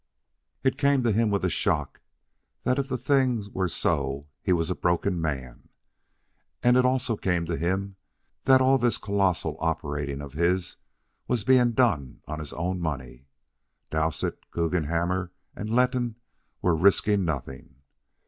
It came to him with a shock that if the thing were so he was a broken man. And it also came to him that all this colossal operating of his was being done on his own money. Dowsett, Guggenhammer, and Letton were risking nothing.